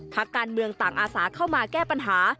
พักการเมืองต่างอาสาเข้ามาแก้ปัญหา